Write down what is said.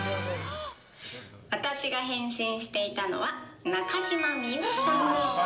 私が変身していたのは中島みゆきさんでした。